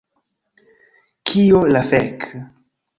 Kio la fek'